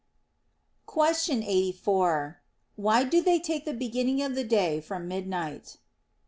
Question 84. Why do they take the beginning of the day from the midnight'?